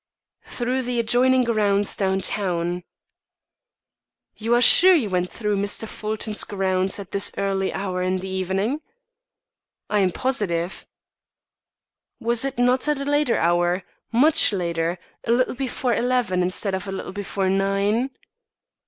"Through the adjoining grounds downtown." "You are sure you went through Mr. Fulton's grounds at this early hour in the evening?" "I am positive." "Was it not at a later hour, much later, a little before eleven instead of a little before nine?"